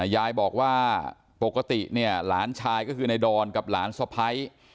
ยายบอกว่าปกติเนี่ยหลานชายก็คือในดอนกับหลานสะพ้าย